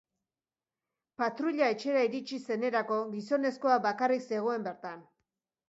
Patruila etxera iritsi zenerako, gizonezkoa bakarrik zegoen bertan.